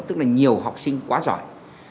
tức là nhiều học sinh quá giỏi